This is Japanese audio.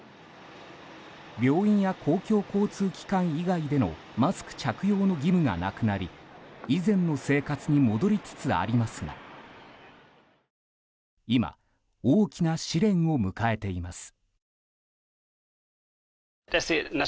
病院や公共交通機関以外でのマスク着用の義務がなくなり以前の生活に戻りつつありますが今、大きな試練を迎えています。